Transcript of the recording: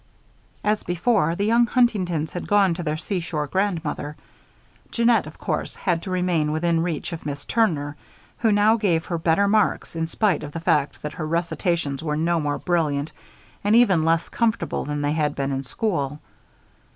As before, the young Huntingtons had gone to their seashore grandmother. Jeannette, of course, had to remain within reach of Miss Turner, who now gave her better marks, in spite of the fact that her recitations were no more brilliant and even less comfortable than they had been in school.